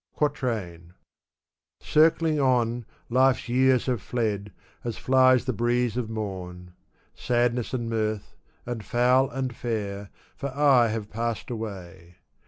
Quatrain, Circling on, life's years have fled, as flies the breeze of mom j Sadness and mirth, and foul and fair, for aye have passed away.